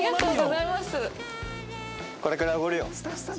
これくらいおごるよ。